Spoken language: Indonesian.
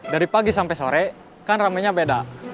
dari pagi sampai sore kan ramainya beda